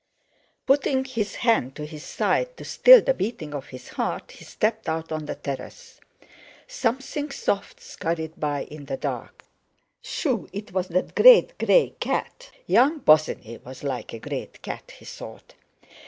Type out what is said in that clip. Putting his hand to his side to still the beating of his heart, he stepped out on the terrace. Something soft scurried by in the dark. "Shoo!" It was that great grey cat. "Young Bosinney was like a great cat!" he thought.